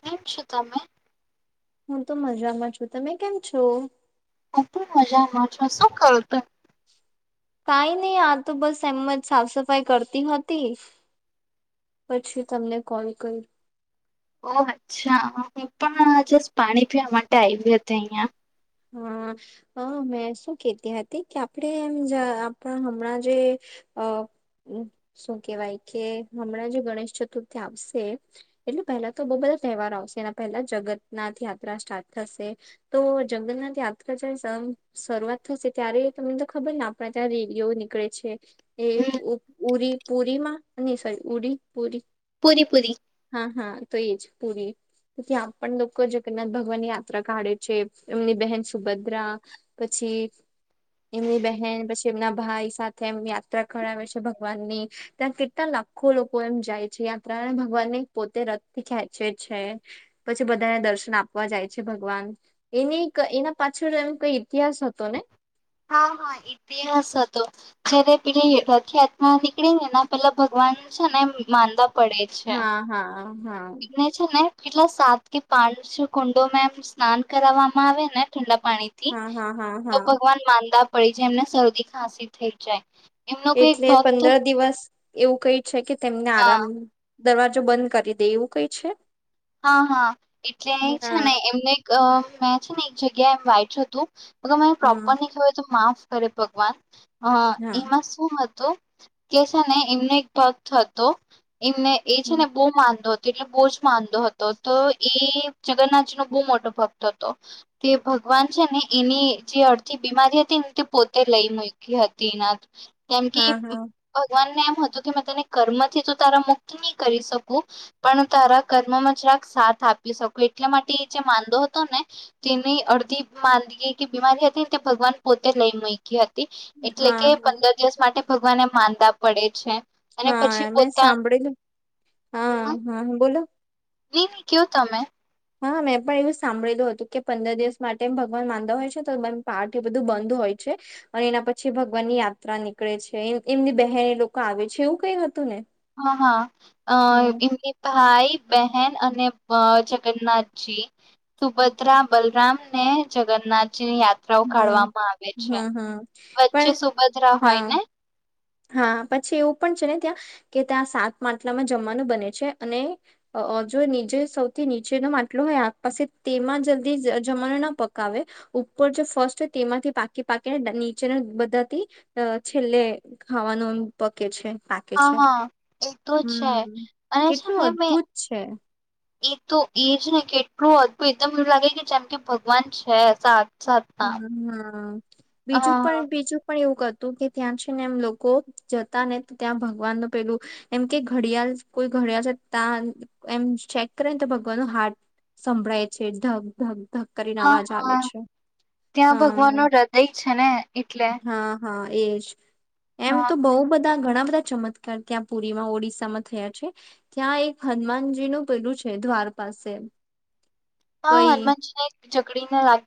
કેમ છો તમે? હું તો મજામાં છું, તમે કેમ છો? હૂ પણ મજામાંછો શું કરું તમે? કાઈ નહી આ તો બસ એમ જ સાફ સફાઈ કરતી હતી, પછી તમને કોલ કર્યું, ઓ અચ્છા હું પણ જસ્ટ પાણી પીવા માટે આવ હતી, અહં હા, હ મેં શું કતી હતી કે આપણે એમ આપણા હમણાં જે અ શું કેવાય કે હમણાં જે ગણેશ ચતુર્થી આવશે એટલે પહેલા તો બહ બધા તહેવાર આવશે એના પહેલા જગન્નાથ યાત્રા સ્ટાર્ટ થશે તો, જંગલના ત્યાંકા જારે શરૂઆત થશે ત્યારે તમને તો ખબર ને આપણા ત્યાં રેલીઓ નીકળે છે. એ હમ્મ ઉરી પુરી માં ન સોરી ઉરી પૂરી પૂરી-પૂરી. હા હા તો એ જ પૂરી ત્યાં પણ લોકો જગન્નાથ ભગવાનની યાત્રા કાઢે છે. એમની બહેન સુભદ્રા પછી એમની બેહેન પછી એમના ભાઈ સાથે એમ યાત્રા કરાવે છે ભગવાનની ત્યાં કેટલા લ આખો લોકો એમ જાય છે, યાત્રણ ભગવાન ને પોતે રથ થી ખેંચે છે પછી બધા દર્શન આપવા જાય છે, ભગવાન એની એના પાછળ એમ કઈ ઇતિહાસ હતો ને? [unintelligible] હા હા, ઇતિહાસ હતો જયારે પે ખ્યાતમાં નીકળી ને પેલા ભગવાન છે, ને માદા હા હા હા સિગ્નેચર ને કેટલા સાત કે પાંચ કુંડોમાં એમ સ્નાન કરવામાં આવે ને ઠંડા પાણીથી હા હા હા હા હા. તો ભગવાન માંદા પડી જે એમને શરદી ખાંસી થઈ જાય, એમનો કોઈ એટલે ભક્ત પંદર દિવસ એવું કઈ છે કે તેમને હા આરામ દરવાજો બંધ કરી દે એવું કઈ છે, હા હા એટલે છે હા. ને એમને અ મેં છે ને એક જગ્યાએ એ વાઈટ હતું અગ મે પ્રોપર હમ ન કય તો માફ કરે પગવાન. હા એમાં શું હતું કે છે ને એમનો એક પગ હતો એમને એ છે ને બહુ માદો હતો એટલે બહુ જ માદો હત તો એ જગન્નાથજી નો બહુ મોટો ભક્ત હતો તે ભગવાન છે ને એની જે અડધી બીમારી હતી ને તે પોતે લઈ મુકી હતી એના જેમ કે હા ભગવાનને એમ તું કે તને કર્મથી તો તારા મુક્તિ નહી કરી શકું પણ તારા કર્મમાં સાથ આપી શકો એટલા માટે જે માંદો હતો ને તેની અડધી માંદગી કે બી બીમારી હતી તે ભગવાન પોતે લઈ મુયકી હત તી એટલે હા કે હા પંદર દિવસ માટે ભગવાન માંદા પડે છે. અને પછી હા મેં પોતાના સાંભળેલું. હા હા બોલો. નઈ નહી કયો તમે? હા મેં પણ એવું સાંભળેલું હતું કે પંદર દિવસ માટે એમ ભગવાન માંદા હોય છે તો પાર્ટ એ બધું બંધ હોય છે અને એના પછી ભગવાન ની યાત્રા નીકળે છે એમની બહેન એ લોકો આવે છે એવું કઈ હતું ને? હા હા અ હમ એમ કે પા ભાઈ, બહેન અને અ જગન્નાથજી, સુભદ્રા, બલરામ ને જગન્નાથ ની યાત્રાઓ હમ કાઢવામાં આવે છે. હમ હમ વચ્ચે પણ સુભદ્રા હોય હા ને? હા, પછી એવું પણ છે ને ત્યાં કે ત્યાં સાત માટલામાં જમવાનું બને છે અને જો નીચે સૌથી નીચેનો માટલો હોય આ પાસે તેમાં જલ્દી જમાનું ના પકાવે ઉપર જે ફર્સ્ટ હોય તેમાંથી પાકી પાકીને નીચેના બધાથી અ છેલ્લે ખાવાનું એમ પકે છે પાકે હા છે. હા એ તો છે હમ અને છે કેટલું ને મે અદભુત છે એ તો એજ ને કેટલું અભું એકદમ એવું લાગે કે જેમ કે ભગવાન છે સા હમ્મ હમ્મ, બીજું હા પણ બીજું પણ એવું કરતું કે ત્યાં છે ને એમ લોકો જતા ને ત્યાં ભગવાન નું પેલું એમ કે ઘડિયાળ કોઈ મળ્યા છે ત્યાં એમ ચેક કરેને તો ભગવાન નું હાર્ટ સંભળાય છે ધગ ધગ ધક્ક કરીને હા અવાજ આવે હા છે. ત્યાં ભગવાન હા નું હૃદય છે ને એટલે. હા હા એજ એમ હા તો બહુ બધા ઘણા ચમત્કાર ત્યાં પુરીમાં ઓડિશામાં થયા છે ત્યાં એક હનુમાનજી નું પેલું છે દ્વાર પાસે. કઈ હા હનુમાજીને ઝકડીને લા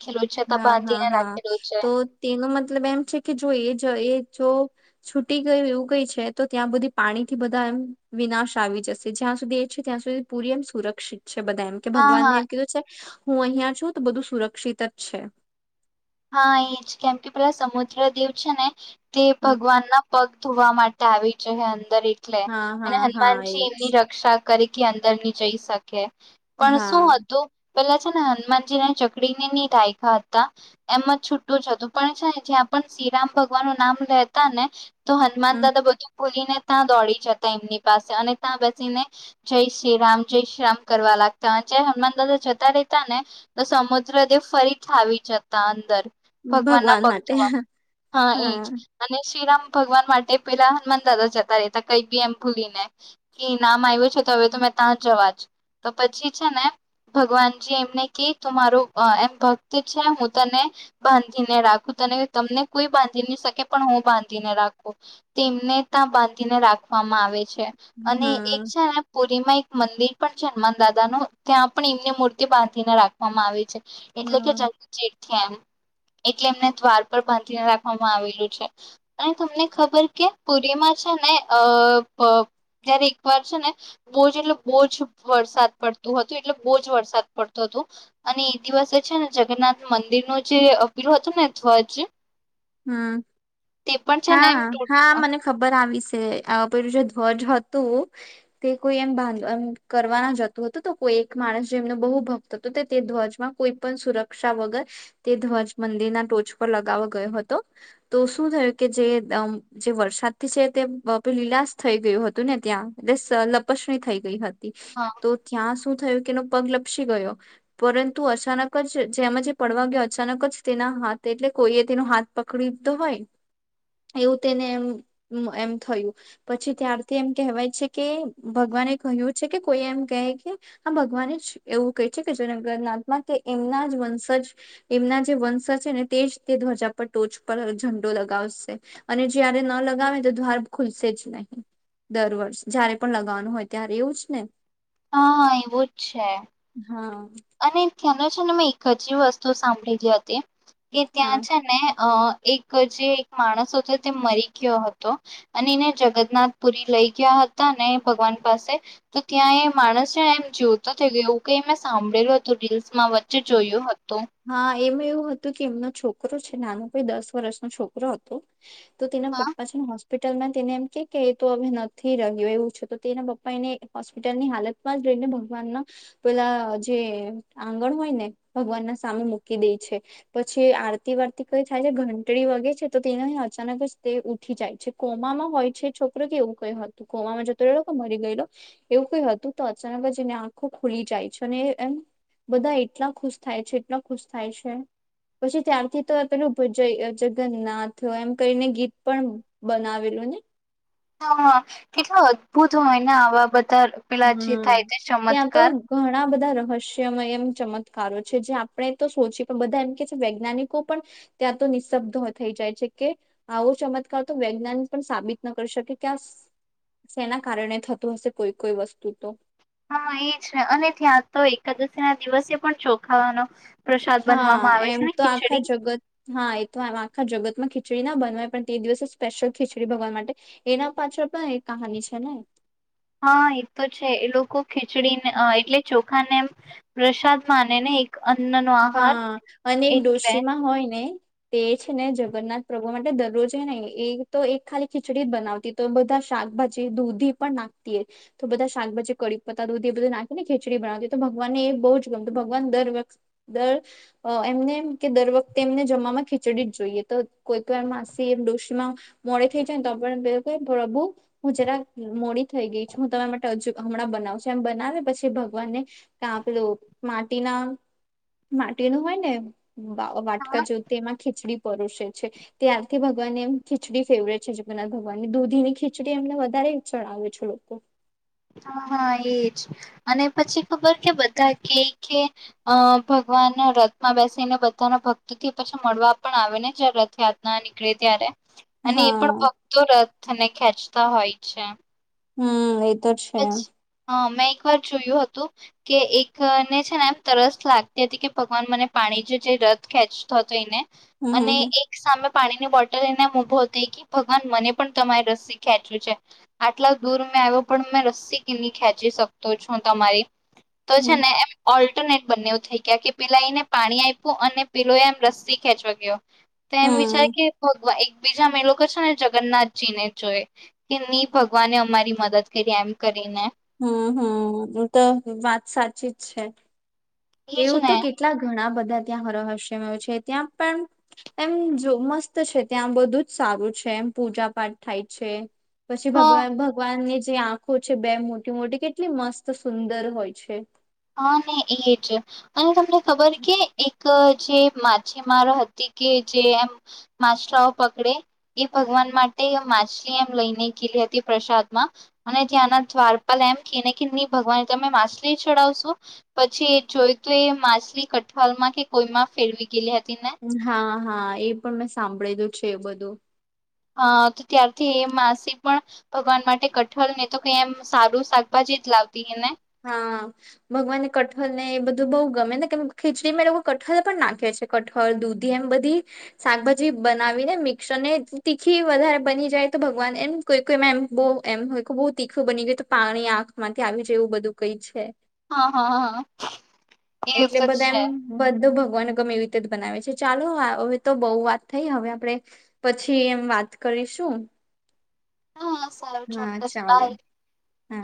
હા હા હા, તો તેનો મત મતલબ એમ છે કે જો એ જો છૂટી ગયું એવું ગઈ છે તો ત્યાં બધી પાણી થી બધા વિનાશ આવી જશે જ્યાં સુધી એ છે ત્યાં સુધી પૂરી એમ સુરક્ષિત છે બધા એમ કે હા હા ભગવાનને એમ કીધું છે હું અહિયાં છું તો બધું સુરક્ષિત જ છે. હા એ જ કેમ કે પેલા સમુદ્ર દેવ છે ને તે હમ ભગવાન ના પગ ધોવા માટે આવી જ અંદર એટલે હા અને હા હા હનુમાનજી એજ એમની રક્ષા કરી કે અંદર ની જઈ શકે પણ શું હા હતું પેલા છે ને હનુમાનજીને ચકડીને ની દાયકા હતા એમ જ છુટું જ હતું પણ છે ને જ્યાં પણ શ્રીરામ ભગવાન નું નામ લેતા ને તો હનુમાન હમ દાદા બધું ભૂલીને ત્યાં દોડી જતા એમની પાસે અને ત્યાં બેસીને જય શ્રીરામ જય શ્રીરામ કરવા લાગતા હનુમાન દાદા જતા રેતા ને તો સમુદ્ર દેવ ફરીથી આવી જતા અંદર. ભગવાન ના પગ ધોવા હા એજ અને શ્રીરામ ભગવાન માટે પેલા હનુમાન દાદા જતા રહેતા કઈ બી એમ ભૂલી ને એ નામ આવ્યું છે હવે તો મેં ત્યાં જવાજ તો પછી છે ને ભગવાનજી એમને કે તું મારું એમ ભક્ત છે હું તને બાંધીને રાખું તને તમને કોઈ બાંધી નહી શકે પણ હું બાંધીને રાખું તેમને ત્યાં બાંધીને રાખવામાં આવે છે હમ અને એક હમ છે ને એમાં એક મંદિર પણ છે હનુમાન દાદા નું ત્યાં પણ એમની મૂર્તિ બાંધીને રાખવામાં આવી છે એટલે કે જ ચક [unintelligible] છે એમ એટલે એમને દ્વાર પર બાંધીને રાખવામાં આવેલું છે અને તમને ખબર કે પુરીમાં જ છે ને અ પ જયારે એકવાર છે ને બહુજ એટલે બહુજ વરસાદ પડતું હતુ એટલે બહુજ વરસાદ પડતો હતો અને એ દિવસે છે ને જગન્નાથ મંદિર નુ જે પેલું હતું ને ધ્વજ હમ તે પણ છે ને હા એમ તૂટ હા મને ખબર આવી છે આ પેલું જે ધ્વજ હતું તે કોઈ એમ બાંધવા કરવાના જતું હતું તો કોઈ એક માણસ જેમનો બહુ ભક્ત હતો તે ધ્વજમાં કોઈ પણ સુરક્ષા વગર તે ધ્વજ મંદિર ના ટોચ પર લગાવવા ગયો હતો તો શું થયું કે જે વરસાદથી છે તેે લીલાશ થઈ ગયું હતું ત્યા એ લપસણી થઈ ગઈ હતી હા તો ત્યાં શું થયું કે એનો પગ લપસી ગયો પરંતુ અચાનક જ જેમાં જે પડવા ગયો અચાનક જ તેના હા તો એટલે કોઈ એ તેનો હાથ પકડી લીધો હોય. એવું તેને એમ એમ થયું પછી ત્યારથી એમ કહેવાય છે કે ભગ ભગવાને કહ્યું છે કે કોઈ એમ કેય કે આ ભગવાને જ એવું કહે છે કે જગનાથમાં કે એમના વંશજ એમના જે વંશજ છે ને તેજ તે ધ્વજા ટોચ પર ઝંડો લગાવશે અને જયારે ન લગાવે તો દ્વાર ખુલશે જ નહીં દર વર્ષ જયારે પણ લગાવવાનું હોય ત્યારે એવું જ ને હા એવું જ છે. હા ત્યાનો છે ને મેં એક જ વસ્તુ સાંભળેલી હતી કે ત્યાં હા. છે ને અ એક જે એક માણસ હતો તે મરી ગયો હતો અને એને જગન્નાથ પુરી લઈ ગયા હતા ને ભગવાન પાસે તો ત્યાં એ માણસ છે એમ જીવતો થય ગયો એવુ કાઈક મેં સાંભળ્યું સાભળેલુ હતું રીલ્સમાં વચ્ચે જોયયો હતુ. એમ એવું હતું કે એમનો છોકરો છે નાનો ભાઈ દસ વર્ષનો છોકરો હતો તો તેના હા પપ્પા છે ને હો હોસ્પિટલમાં તેને એમ કે કે એ તો હવે નથી રહ્યો એવું છે તો તેના પપ્પા એને હોસ્પિટલની હાલતમાં જ ભગવાન ના પેલા જે આંગણ હોયને ભગવાન ના સામે મૂકી દે છે પછી આરતી વારતી કઈ થાય છે ઘંટડી વગે છે તો તે અચાનક જ તે ઉઠી જાય છે કોમામાં હોય છે છોકરો કે એવું કય હતું કોમામાં જતો રહ્યો કે મરી એવું કઈ હતું તો અચાનક જ એને આંખો ખુલી જાય છે અને એમ બધા એટલા ખુશ થાય છે એટલા ખુશ થાય છે. પછી ત્યારથી તો પેલું ભજ જય જગન્નાથ એમ કરીને ગીત પણ બનાવેલું અને હા કેટલા અદ્ભુત હોય ને આવા બધા પેલા જે હમ થાય તે ચમત્કાર હસ્યમયમ ચમત્કારો છે જે આપણે તો સોચી પણ બધા એમ કે છે વૈજ્ઞાનિકો પણ ત્યાં તો નિઃશબ્દ થઈ જાય છે કે આવો ચમત્કાર તો વૈજ્ઞાન પણ સાબિત ન કરી શકે ક્યાં જેના કારણે થતું હશે કોઈ કોઈ વસ્તુ તો હા એ છે અને ત્યાં તો એકાદશી ના દિવસે પણ ચોખાવાનો પ્રસાદ હા બનવામાં આવે એમ છે ને તો ખીચડી આખા જગત હા એ તો આખા જગતમાં ખ ખીચડી ના બનવાય પણ તે દિવસે સ્પેશિયલ ખીચડી ભગવા માટે એના પાછળ પણ એક કહાની છે ને હા એ તો છે એ લોકો ખીચડીને એટલે ચો ને એમ પ્રસાદ માને ને એક અન્ન નો આહાર હા અને એક એટલે ડોશીમાં હોય ને તે છે ને જગન્નાથ પ્રભુ માટે દરરોજે ને એ તો એક ખાલી ખીચડી જ બનાવતી તો બધા શાકભાજી દૂધી પણ નાખતી એ તો બધા શાકભાજી કડીકપતા દૂધી એ બધું નાખીને ખેચડી બનાવતી તો ભગવાનને એ બહુ જ ગમતું ભગવાન દર વખત દર એમને એમ કે દર વખતે એમને જમામાં ખીચડી જ જોઈએ તો કોઈ તો એમ માસી ડિશીમાં મો થઈ જાય ત પ્રભુ હું જરા મોડી થઈ ગઈ છું હું તમે માટે. હજું હમણાં બનાવ છે એમ બનાવે પછી ભગવાનને પેલું માટીના માટીનું હોય ને વાટકા હા જેવું એમાં ખીચડી પરષે છે ત્યારથી ભગવાનને એમ ખીચડી ફેવરે છે બ ભગવાનની દૂધી ની ખીચડી એમને વધારે. ચડાવે છે લોકો. હા હા એજ અને પછી ખબર કે બધા કય અ ભગવાન રથમાં બેસીને બધાના ભક્ત થી પછી મળવા પણ આવે ને જે રથયાત્ર ના નીકળે ત્યારે અને એ પણ હા ભક્તો રથને ખેંચતા હોય છે. હમ. તો છે હા મે એક વાર જોયું હતું કે એકને છે ને એમ તરસ લાગતી હતી કે ભગવાન મને પાણી જે જે રથ ખેચતો હતો એને હમ હમ એક સામે પાણી ની બોટલ એને ઉભો થઈ કે ભગવાન મને પણ તમારી રસી ખેંચ્યું છે આટલા દૂર મેં આવ્યો પણ મેં રસી કેમની ખેંચી શકતો છું તમારી તો છે હમ ને એમ ઓ ટનેટ બને એવું થઈ ગયા કે પિલાઈને પાણી આપ્યું અને પિલો એમ રસ્સી ખેંચવા ગયો તો એમ વિચાર હમ. કે ભગવાન બીજામા એ લોકો છે ને જગન્નાથજી ને જોય કે ની ભગવાને અમારી મદદ કરી એમ કરીને હમ હમ એ તો વાત સાચી જ છે. એજ એવું ને તો કેટલા ઘણા બ ધા ત્યાં હરો હસ્યમ છે ત્યાં પણ એમ જો મસ્ત છે ત્યાં બધું જ સારું છે. એમ પૂજા પાઠ થાય છે પછી હા ભગવા ભગવાન ને જે આંખો છે બે મોટી મોટી કેટલી મસ્ત સુંદર હોય છે. હા ને એ જ અને તમને ખબર કે ક જે માછીમારો હતી કે જે એમ માછરાઓ પકડે એ ભગવાન માટે માછલી એમ લઈને ખીલી હતી પ્રસાદમાં અને ત્યાંના દ્વારપાલ એમ કેને ની ભગવાન તમે માછલી ચડાવશો પછી જોય તો એ માછલી કઠવાલમાં કે કોઈમાં ફેરવી ગયેલી હ હા હા એ પણ મેં સાંભળેલું છે બધું હ તો ત્યારથી એ માસી પણ ભગવાન માટે કઠલ ને તો કે એમ સારું શાકભાજી જ લાવતી અને હા ભગવાનને કઠલ ને એ બધું બહુ ગમે ને કેમ ખીચડીમાં લોકો કઠલ પણ નાખે છે કઠળ દૂધી એમ બધી શાકભાજી બનાવીને મિક્સર ને તીખી વધારે બની જાય ય તો ભગવાન એમ કોઈ કોઈમાં એમ બો એમ હોય બો તીખું બની ગયું તો પાણી આંખમાંથી આવી જેવું બધું કઈ છે. હા હા હા એ એટલે તો બધા છે એમ બધું ભ ભગવાને ગમે એવી રીતે જ બનાવે છે ચાલો હવે તો બોવ વાત થઈ હવે આપડે પછી એમ વાત ક કરી શું હા સારું ચોક્કસ બાય હા